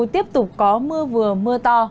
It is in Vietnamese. tiếp tục có mưa vừa mưa to